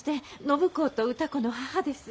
暢子と歌子の母です。